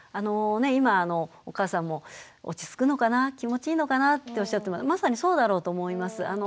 今お母さんも落ち着くのかな気持ちいいのかなっておっしゃってましたがまさにそうだろうと思います。